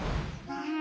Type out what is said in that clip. うん。